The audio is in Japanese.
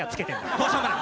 どうしようもない。